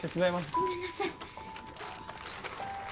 ごめんなさい。